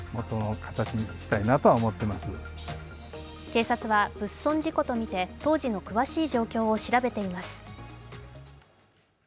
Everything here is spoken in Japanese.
警察は物損事故とみて当時の詳しい状況を調べています。